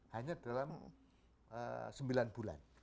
hanya dalam sembilan bulan